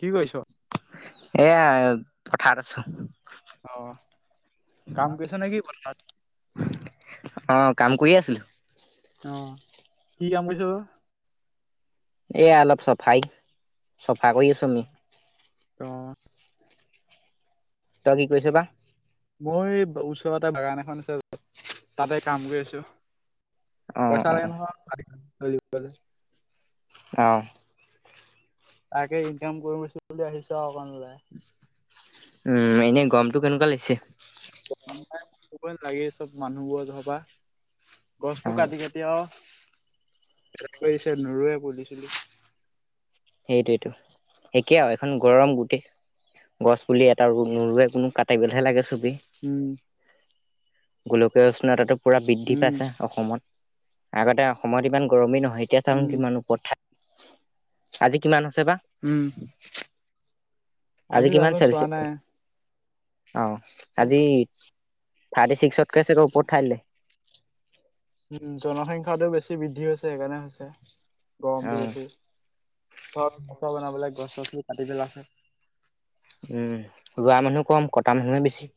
কি কৰিছ? এয়া পথাত আছো। অ কাম কৈছা নেকি পথাৰত? অ কাম কৰি আছিলো। অ', কি কাম কৰিছ ও? এ অলপ চফাই চফা কৰি আছো আমি। তই কি কৈছ বা? মই ওচৰতে বাগান এখন আছে তাতে কাম কৰি আছো। অ পইচা অ লাগে নহয়। আহ। তাকে ইনকাম কৰিছো বুলি আহিছো আও অকমান উলাই। উম এনে গমটো কেনেকুৱা লাগিছে? [inaudible] লাগে চব মানুহবোৰ ধৰ পৰা গছ অ বোৰ কাটি কাটি আও। [unintelligible] নৰুৱে পুলি চুলি। সেইটোৱেটো একেই আও এখন গৰম গুটেই। গছ পুলি এটাৰু নোৰুৱে কোনো কাটিব লেহে লাগে। চবেই উম। গোলকীয় উষ্ণতাটো পোৰা বৃদ্ধি উম, পাইছে অসমত, আগতে অসমত ইমান গৰমেই নহয় এতিয়া চাওঁ উম, কিমান ওপৰত আজি কিমান? হৈছে বা উম, আজি কিমান জানো চোৱা নাই। চেলচিয়াছ অহ আজি থাৰ্টি ছিক্সতকে চাগৈ ওপৰত উঠাই দিলে। উম জনসংখ্যাটো বেছি বৃদ্ধি হৈছে সেইকাৰণে হৈছে। অ গৰমটো বেছি ঘৰত টক্ট্ৰতা বনাবলে গছ গছনি কাটি পেলায়া হৈছে উম ৰোৱা মানুহ কম কটা মানুহে বেছি।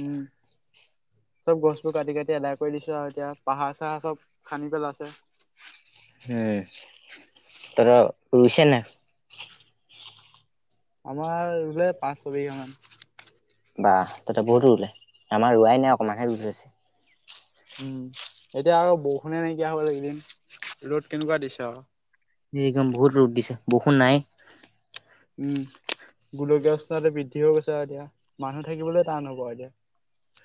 উম চব গছবোৰ কাটি কাটি এদায় কৰি দিছে। কত যাওঁ এতিয়া পাহাৰ চাহাৰ চব খান্দি পেলাইছে। উম তহঁতৰ ৰুইছে নে নাই আমাৰ ৰুলে পাঁচ ছয় বিঘামান। বাহ তহঁত বহুতো ৰুলে আমাৰ ৰোৱাই নাই অকমানহে ৰুই থৈছে উম এতিয়া আৰু বৰষুণে নাইকিয়া হৈ গল এইকেইদিন ৰ'দ কেনেকুৱা দিছে আও। এই অকণ বহুত ৰদ দিছে বৰষুণ নাই। উম গোলকীয় উষ্ণতাটো বৃদ্ধি হৈ গৈছে। তো এতিয়া মানুহ থাকিবলৈ টান হ'ব এতিয়া।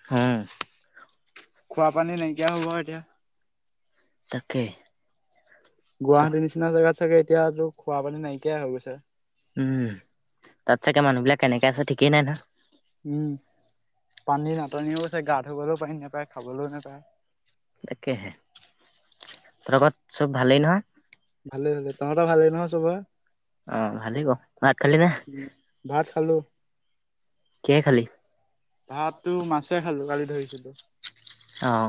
হম খোৱা পানী নাইকিয়া হ'ব এতিয়া। তাকে। গুৱাহাটীৰ নিচিনা জেগাত চাগে এতিয়া তোৰ খোৱ পানী নাইকীয়াই হৈ গৈছে। উম তাত চাগে মানুহ বিলাক কেনেকে আছে ঠিকেই নাই নহয়। উম পানী নাটনিও আছে গা ধুবলৈও পানী নাপায় খাবলৈও নোপায়। তাকেহে তহতৰ ঘৰৰ চব ভালেই নহয়। ভালেই ভালেই তহঁতৰ ভালে নহয় চবে অহ ভালেক ভাত খালি নে। ভাত খালো কিহে খালি ভাতটো মাছে খালো কালি। ধৰিছিলো। অহ।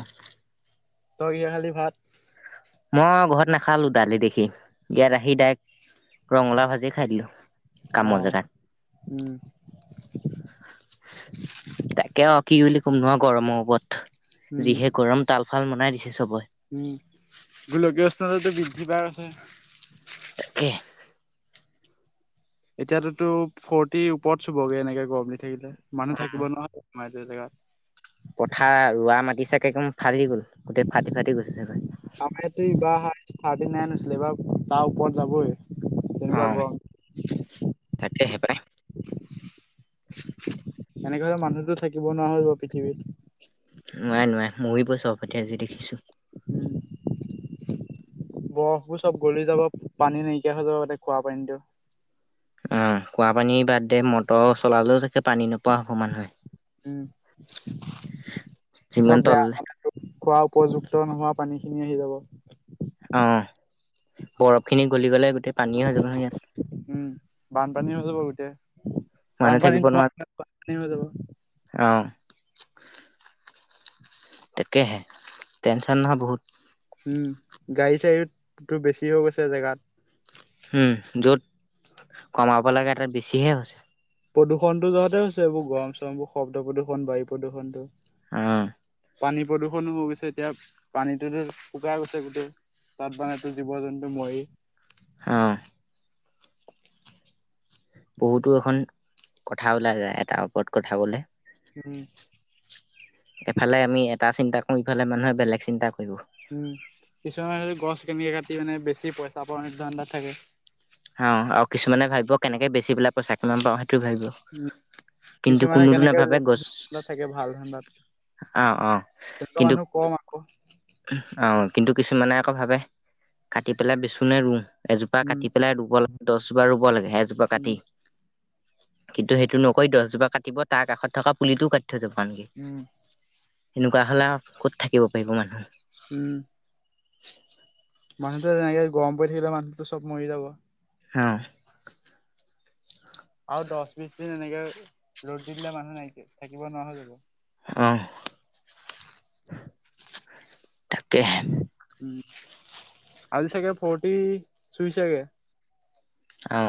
তই কিহে খালী ভাত। মই ঘৰত নাখালো দালি দেখি ইয়াত আহি দাৰেক ৰঙালা ভাজি খাই দিলো অ কামৰ উম জেগাত। খুব নোহোৱা গৰমৰ ওপৰত উম, যিহে গৰম তাল ফাল মনাই দিছে চবই উম গোলকীয় উষ্ণতা বৃদ্ধি পাই গৈছে [unintelligible] এতিয়াতো ফোৰ্টিৰ ওপৰত চুবগে এনেকে গৰম দি থাকিলে মানুহ থাকিব নহয়। এইতো জেগা। পথাৰ ৰোৱা মাটি চাগে একম ফালি গ'ল। গোটেই ফাটি ফাটি গৈছে চাগে আমাতে ইয়াতে ইবা থাৰ্টি নাইন হৈছে আ এইবাৰ তাৰ ওপৰত যাবই তেনেকুৱা ক। [unintelligible] তাকে সেই পায়। এনেক হলে মানুহতো থাকিব নোৱাৰা হৈ যাব পৃথিৱীত। নোৱাই নোৱাই মৰিব চব সেতে যি দেখিছো। উম, বৰফবোৰ চব গলি যাব পানী নাইকিয়া হৈ যাব তাতে খোৱা পানীতো অহ খোৱা পানী বাদে মটৰ চলালেও চাগে পানী নোপোৱা হব মানুহে উম চব যিমান বেয়া তললে খোৱা। উপযুক্ত নোহোৱা পানীখিনি আহি যাব। অহ বৰফ খিনি গলি গ'লে। গোটেই পানী হৈ যাব নহয় ইয়াত। উম, বানপানী হৈ যাব গোটেই। মানুহ বানপানী থাকিব নোৱা নোৱাৰা যাব। অ', তাকেহে টেচন হ বহুত। উ গাড়ী চাড়ী বেছি হৈ গৈছে জেগাত। উম য'ত কমাব লাগে এটা বেছিহে হৈছে। প্ৰদূষণতো তহতে হৈছে এইবোৰ গৰম চৰম বোৰ শব্দ প্ৰদূষণ বায়ু প্ৰদূষণটো। অহ। পানী প্ৰদূষণো হৈ গৈছে এতিয়া পানীটোত শুকাই গৈছে গোটেই। তাত মানো জীৱ জন্তু মৰি। অহ। বহুতো এখন কথা ওলাই যায় এটাৰ ওপৰত কথা কলে। উম। এফালে আমি এটা চিন্তা কৰো ইফালে মানুহে বেলেগ চিন্তা কৰে। উম কিছুমান গছ কেনেকে কাটি মানে বেছি পইচা পাওঁ চাজত থাকে। অ, আৰু কিছুমানে ভাবিব কেনেকে বেছি পেলাই পইচা কিমান পাওঁ। স ভাব কিন্তু কিছুমানে কোনোতো কেনেকে নাভাবোবে গছ। ধান্দাত থাকে ভাল ধান্দাত অহ অ তেনেকুৱা কিন্তু। মানুহ কম আকৌ আহ কিন্তু কিছুমানে আকৌ ভাবে কাটি পেলাই বেছোনে ৰুওঁ। এজোপা উম কাটি পেলাই ৰুব দহজোপা ৰুব লাগে এজোপা উম কাটি। কিন্তু সেইটো নকৰি দহজোপা কাটিব তাৰ কাষত থকা পুলিটোও কাটি থৈ যাব আনকি। উম এনেকুৱা হ'লে আৰু ক'ত থাকিব পাৰিব মানুহ। উম। [inaudible] মানুহটো এনেকে গৰম পৰি থাকিলে মানুটো চব মৰি যাব। উম। আৰু দশ বিশ দিন এনেকে। ৰ'দ দি দিলে মানুহে থাকিব নুৱা হৈ যাব। অহ তাকে। আজি চাগে ফৰটি চুই চেগে। অঁ।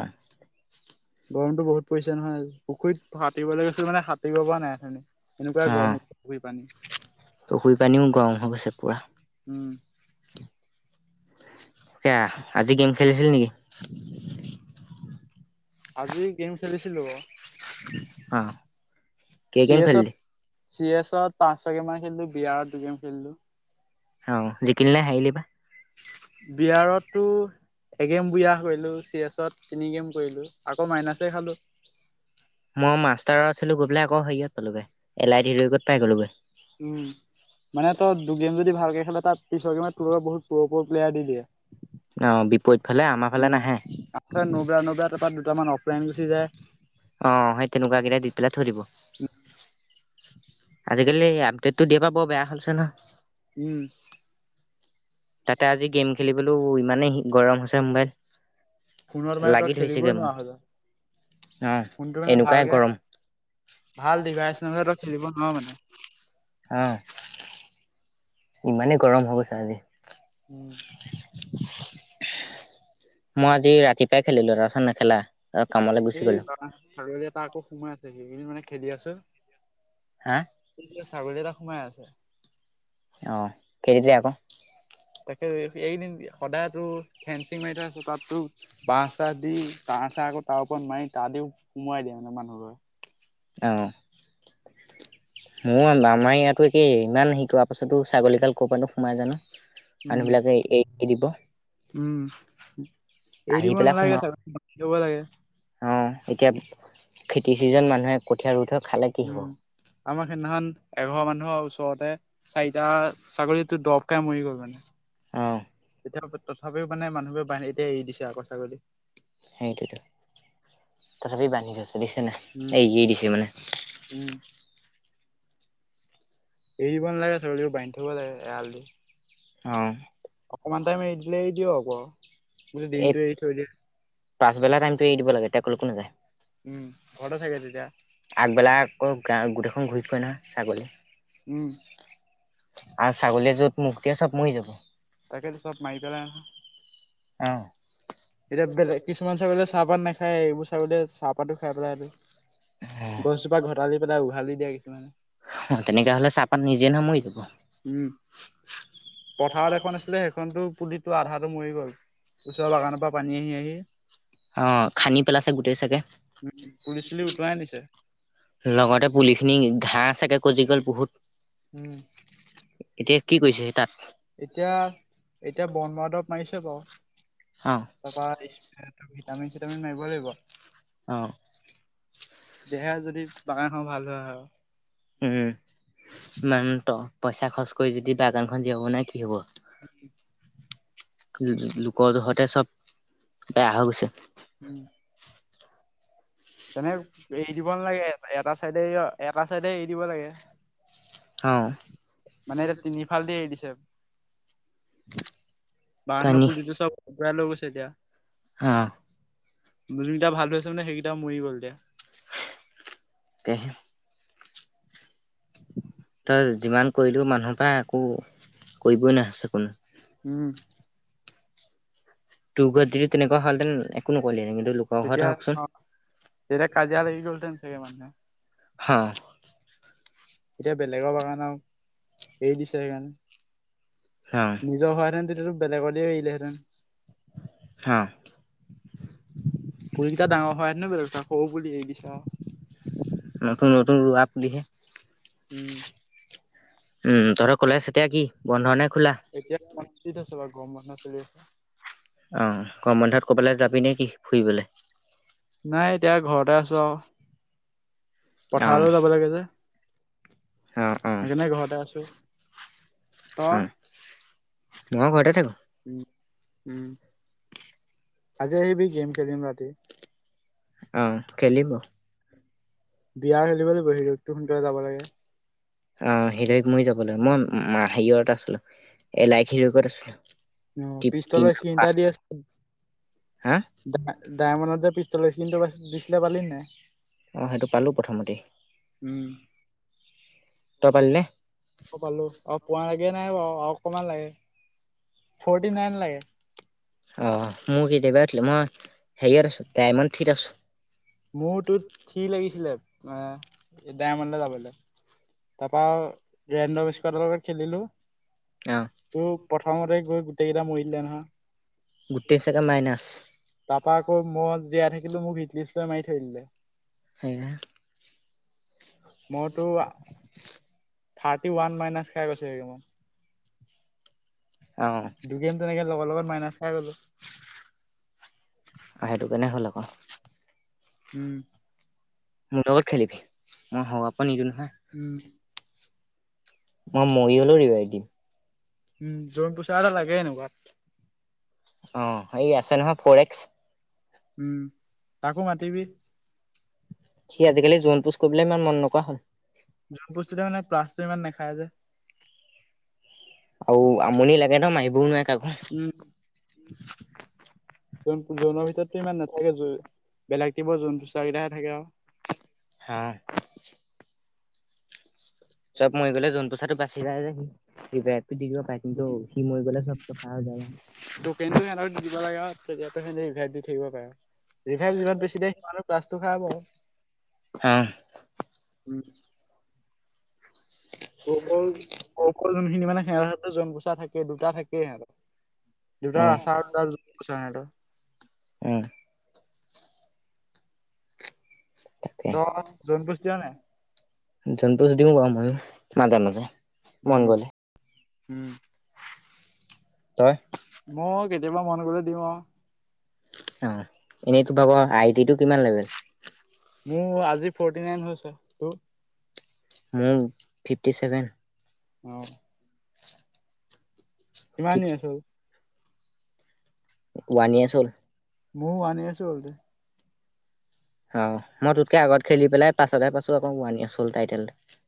গৰমতটো বহুত পৰিছে নহয় আজি পুখুৰীত সাঁতুৰিবলে গৈছিলো মানে সাঁতুৰিব পৰা নাই। এনেকুৱাই অ'। গৰম পুখুৰী পানী। পুখুৰী পানীও গৰম হৈ গৈছে পুৰা। উম। সেয়া আজি গেম খেলিছিলি নেকি? আজি গেম খেলিছিলো। অ কে চি গেম এছত খালিলি। চি এছত পাঁচ শৈ গেম মান খেলিলো বিয়াৰ্ত দুগেম খেলিলো। অ জিকিলি নে হাৰিলি বা? বিয়াৰতো। এগেম বিয়া কৰিলো চি এছত তিনি গেম কৰিলো আকৌ মাইনাছে খালো। মই মাষ্টাৰত আছিলো গৈ পেলাই আকৌ হেৰিয়াত পালোগে উম, মানে তই দুগেম যদি ভালকে খেল। তাৰ পিছৰ গেমত তোৰ লগত বহুত প্ৰ প্ৰ প্লয়েৰ দি দিয়ে। অ', বিপৰীত ফালে আমাৰ ফালে উম নাহে। আগাৰ নব্ৰা নব্ৰা। দোটামান অফলাইন গুচি যায়। অহ, সেই তেনেকুৱা কেইটা দি পেলাই থৈ দিব। আজিকালি আপডেট টো দিয়াৰ পৰা বৰ বেয়া হলছে ন। উম। তাতে আজি গেম খেলিবলৈ ইমানেই গৰম হৈছে মোবাইল। পুনৰ মানে তই লাগি ধৰিছেগে খেলিবই নোৱাৰা মোৰ। হয় গল। অ' ফোনটো মানে এনেকুৱাই ভালকে, গৰম ভাল ডিভাইচ নহলে খেলিব। নোৱাও মানে। অ ইমানেই গৰম হৈ গৈছে আজি। মই আজি ৰাতিপুৱাই খেলিলো তাৰপিছত নেখেলা। অ' কামলৈ গুচি সেই গ'লো। বা ছাগলী এটা আকৌ সোমাই আছে সেইকিন মানে খেলি আছো। হা ছাগলী এটা সোমাই আছে। অ খেদিদে আক। তাকে বে এইকদিন সদায়তো ফেঞ্চিং মাৰি থৈ আছো তাতো বাঁ চাহ দি তাৰ চা আকৌ তাৰ ওপৰত মাৰি গা দিও সোমোৱাই দিয়ে মানে মানুহ ঘৰত অ মোৰ আমাৰ ইয়াতো একেই ইমান সিকোৱা পাছতো ছাগলীডাল ক' পা নো সোমাই জানো। মানুহ উম, বিলাকে এ এৰি দিব। উম আহি এৰিব পেলাই নালাগে সোমাও ছাগলী বান্ধি থব লাগে। অ এতিয়া খেতি চিজন মানুহে কঠীয়া ৰুই থক উম আমাক সিদিনাখন এঘাৰ মানুহৰ ওচৰতে চাৰিটা ছাগলীতো দৰব খাই মৰি গ'ল মানে। অ' তথাপিও মানে মানুহো বান এতিয়া এৰি দিছে আকৌ ছাগলী। সেইটোৱেটো তথাপি বান্ধি থৈছো উম, দেখিছা নাই। উম। এৰিব নালাগে ছাগলী বোৰ বান্ধি থব লাগে এৰাল দি। অ! অকমান টাইম এৰি দিলে এৰি দিয়ক আকৌ এই দিনটো এৰি থৈ দিয়। পাছবেলা টাইমটো এৰি দিব লাগে এতিয়া কোন কোন যায়। উম ঘৰতে থাকে যেতিয়া। গা গোটেইখন ঘূৰি ফুৰে নহয় ছাগলী উম আৰু ছাগলীয়ে য'ত মুক্ত দিয়া চাপ মৰি যাব। তাকেতো চব মাই পেলাই অ এতিয়া বেলেগ কিছুমান ছাগলীয়ে চাহপাত নাখায় এইবোৰ ছাগলীয়ে চাহপাতো খাই পেলাই আৰু। গছজোপা ঘটালি পেলাই উঘালি দিয়া কিছুমানে। তেনেকা হলে চাহপাত নিজে নহয় মৰি যাব উম পথাৰত এখন আছিলে সেইখনতো পুলিটো আধাটো মৰি গ'ল। দুচৰা বাগানৰ পৰা পানী আহি আহি অ খান্দি পেলাইছে গোটেই চাগে। উম পুলি চুলি উটুৱাই নিছে লগতে পুলি খিনি ঘাঁ চাগে গজি গ'ল বহুত। উম এতিয়া কি কৰিছে তাত এতিয়া এতিয়া বনমৰা দৰৱ মাৰিছে বাৰু। অ তাৰপৰা স্প্ৰে ভিটামিন চিটামিন মাৰিব লাগিব। অ তেহে যদি বাগানখন ভাল হয় আৰু। উম ইমান পইচা খৰচ কৰি যদি বাগানখন হাবি হয় যায় কি হব। গে। লোকৰ দুখতে চব বেয়া হৈ গৈছে। তেনেকে এৰি দিব নালাগে এটা চাইডে এটা চাইডে এৰি দিব লাগে। অ মানে এতিয়া তিনিফালেদি এৰি দিছে। তই বাগানৰ নি পূজিটো চব উৰাই লৈ গৈছে এতিয়া। যোনকেইটা ভাল ধৰিছে মানে সেইকেইটা মৰি গ'ল এতিয়া। [unintelligible] [inaudible] তই যিমান কৰিলো মানুহৰ পৰা একো কৰিবই নোৱাৰা হৈছে কোনো। উম তোৰ ঘৰত যদি তেনেকুৱ হলহেঁতেন একো নক'লে হেঁতেন। তেতিয়া অ তেতিয়া কাজিয়া লাগি গ'ল চাগে মানুহে। হা। এতিয়া বেলেগৰ পৰা কাৰণে এৰি দিছে সেইকাৰণে। নিজৰ হ হোৱহেতেন তেতিয়াতো বেলেগলৈ আহিলেহেঁতেন। পুলিকেইটা ডাঙৰ হ হোৱা হলো একো নাই ন সৰু পুলি। দিছে আৰু নতুন নতুন ৰোৱা পুলিহে। [inaudible] উম তহঁতৰ কলেজ এতিয়া কি বন্ধ নে খোলা? কিটো আছে গৰম বন্ধ চলি আছে। আহ গৰম বন্ধত কবালৈ যাবি নেকি ফুৰিবলৈ! নাই এতিয়া ঘৰতে আছো আৰু অ', পথাৰলৈও যাব লাগে যে। অ', অ', সেইকাৰণে ঘৰতে আছো। তই? অ', মই ঘৰতে থাকো। উ উম আজি আহিবি গেম খেলিম ৰাতি। অ খেলিব বি আৰ ৰেংকত এ খেলিম হিৰৈক সোনকালে যাব লাগে। অ হীৰৈক মইও যাব লাগে মই হেৰিয়ত আছিলো এলাইক হিৰৈকত আছিলো। অ পিষ্টলৰ স্ক্ৰিন এটা দি আছে। হা ডায় ডায়মনত যে পি পিষ্টলৰ স্ক্ৰিনটো পা দিছিলে পালি নাই? অ সেইটো পালো প্ৰথমতেই উম। তই পালি নে? পালোঁ। অ পোৱাগে নাই বাৱ আৰু অকমান লাগে। ফৰ্টি নাইন লাগে। অ মো কিতিয়াবাৰে উঠিলে মই হেৰীয়ত আছোঁ ডাইমন থ্ৰিত আছোঁ। মোৰ টো থ্ৰি লাগিছিলে এ ডাইমনলে যাবলে। তাপা ৰেনডম ইচকুৱাৰ্দৰ লগত খেলিলো। অ ত প্ৰথমতে গৈ গোটেই কেইটা মৰি দিলে নহয়। গোটেই চাগে মাইনাচ তাপা আকৌ মই জীয়াই থাকিলো মোক হিটলিছ লৈ মাৰি থৈ দিলে। সেয়া মোৰতো থাৰ্টি ওৱান মাইনাচ খাই গৈছো অ এগেমত দুগেম তেনেকে লগে লগে মাইনাচ খাই গ'লো। আহ সেইটো কাৰণে হ'ল আকৌ উম। মোৰ লগত খেলিবি মই হৰুৱাব নিদো নহয়। উম মই মৰি হলো ৰিভাইভ দিম। উম জন পোছাৰ এটা লাগে এনেকুৱাত অ এই আছে নহয় ফৰ এক্স উম তাকো মাতিবি সি আজিকালি জোন পোছ কৰিবলে ইমান মন নকৰা হ'ল। জন পোছটোতে মানে প্লাচটো ইমান নেখাই যে আৰু আমনি লাগে ন মাৰিবও নোৱাৰে কাকো জন জনৰ ভিতৰতটো ইমান নাথাকে জ বেলেগ টিমৰ জোন পোছাৰ কেইটাহে থাকে আৱ হা চব মৰি গ'লে জোন পোছাৰটো বাচি যায় যে সি ৰিভাইভ টো দি দিব পাৰে। কিন্তু সি মৰি গলে চব চফা হৈ যায় আৱ। টকেনতো সিহঁতক দি দিব লাগে আৱ তেতিয়াটো সেতি ৰিভাইভ দি থাকিব পাৰে। ৰিভাইভ যিমান বেছি দিয়ে সিমানো প্লাচটো খাই বাৰু। অ উম ককৰ ককৰ যোনখিনি মানে সেৱাৰ সৰ জন পোছাৰ থাকে দুটা থাকে সিহঁতৰ, অ দুটা ৰাচাৰ আৰু দুটা জন পোছাৰ সিহঁতৰ উম তাকে, তই জোন পোচ দিয় নাই জন পোছ দিওঁ বাৰু ময়ো মাজে মাজে উম মন গ'লে উম তই মই কেতিয়াবা মন গ'লে দিওঁ আৱ অ এনেই তো ভাগ আইদিটো কিমান লেভেল মোৰ আজি ফৰ্টি নাইন হৈছে তোৰ মোৰ ফিফটি ছেভেন অ কিমান দিন আছে আৰু ওৱান ইয়াৰ্চ হ'ল মও আনি আছোঁ অ মই তোতকে আগত খেলি পেলাই পাছতহে পাইছোঁ আকৌ ওৱান ইয়েৰচ হ'ল টাইটেলটো